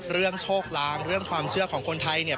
โชคลางเรื่องความเชื่อของคนไทยเนี่ย